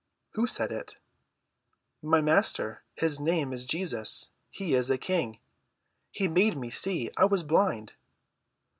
"Who said it?" "My Master. His Name is Jesus. He is a King. He made me see. I was blind."